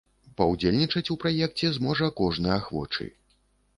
Паўдзельнічаць у праекце зможа кожны ахвочы.